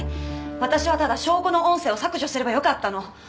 私はただ証拠の音声を削除すればよかったの。